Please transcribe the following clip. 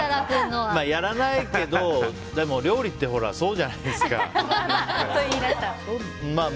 やらないけどでも料理ってそうじゃないですか。